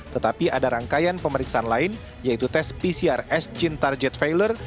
tetapi ada rangkaian pemeriksaan lain yaitu tes pcr as gene target failur